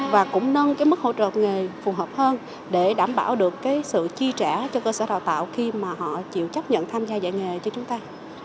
và cũng nâng cái mức hỗ trợ nghề phù hợp hơn để đảm bảo được cái sự chi trả cho cơ sở đào tạo khi mà họ chịu chấp nhận tham gia dạy nghề cho chúng ta